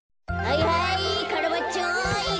はいはい。